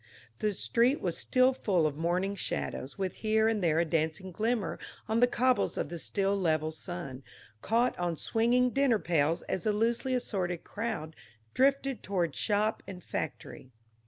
The street was still full of morning shadows, with here and there a dancing glimmer on the cobbles of the still level sun, caught on swinging dinner pails as the loosely assorted crowd drifted toward shop and factory.